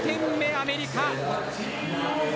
アメリカ。